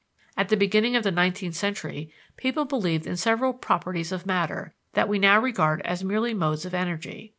At the beginning of the nineteenth century people believed in several "properties of matter" that we now regard as merely modes of energy.